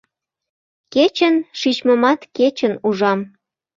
Кечын шичмымат кечын ужам.